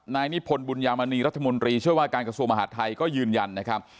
นายนิพนธ์บุญยามณีรัฐมนตรีช่วยว่าการกระทรวงมหาดไทยก็ยืนยันนะครับ